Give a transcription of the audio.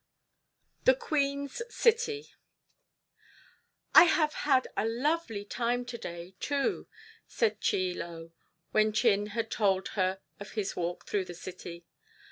THE QUEEN'S CITY "I HAVE had a lovely time to day, too," said Chie Lo, when Chin had told her of his walk through the city.